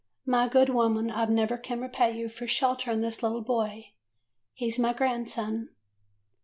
My good woman, I never can repay you for shelterin' this little boy. He 's my grandson.